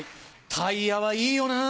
タイヤはいいよなぁ。